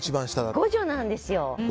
５女なんですよ。